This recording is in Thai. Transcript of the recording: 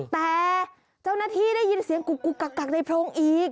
แต่เจ้าหน้าที่ได้ยินเสียงกุกกักในโพรงอีก